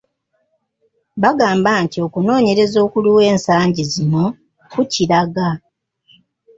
Bagamba nti okunoonyereza okuliwo ensangi zino kukiraga